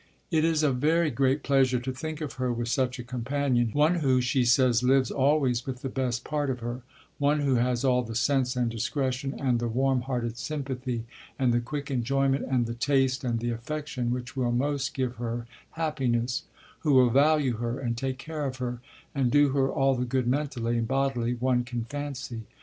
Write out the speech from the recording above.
It is a very great pleasure to think of her with such a companion, one who, she says, lives always with the best part of her; one who has all the sense and discretion and the warm hearted sympathy and the quick enjoyment and the taste and the affection which will most give her happiness; who will value her and take care of her, and do her all the good mentally and bodily one can fancy.